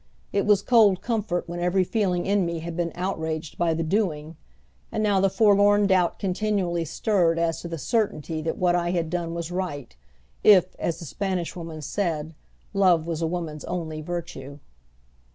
It was cold comfort when every feeling in me had been outraged by the doing, and now the forlorn doubt continually stirred as to the certainty that what I had done was right, if, as the Spanish Woman said, love was a woman's only virtue.